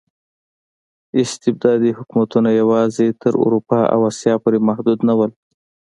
استبدادي حکومتونه یوازې تر اروپا او اسیا پورې محدود نه وو.